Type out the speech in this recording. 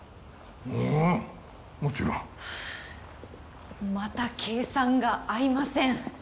うんもちろんはぁまた計算が合いません